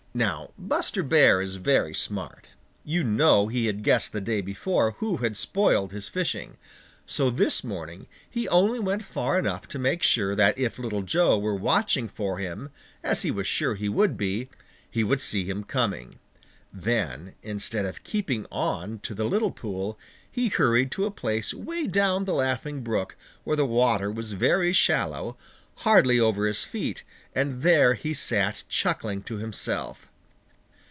Now Buster Bear is very smart. You know he had guessed the day before who had spoiled his fishing. So this morning he only went far enough to make sure that if Little Joe were watching for him, as he was sure he would be, he would see him coming. Then, instead of keeping on to the little pool, he hurried to a place way down the Laughing Brook, where the water was very shallow, hardly over his feet, and there he sat chuckling to himself.